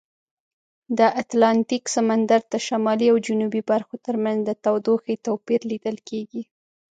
د اتلانتیک سمندر د شمالي او جنوبي برخو ترمنځ د تودوخې توپیر لیدل کیږي.